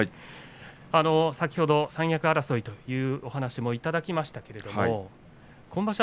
先ほど三役争いという話もいただきましたけれども今場所